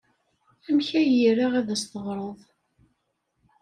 Amek ay ira ad as-teɣreḍ?